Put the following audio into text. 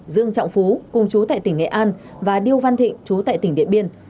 dương trọng phú cùng chú tại tỉnh nghệ an và điêu văn thịnh chú tại tỉnh điện biên